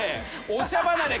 お茶離れ。